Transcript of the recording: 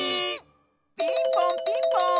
ピンポンピンポーン！